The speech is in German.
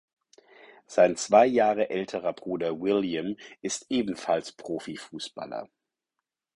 Sein zwei Jahre älterer Bruder William ist ebenfalls Profifußballer.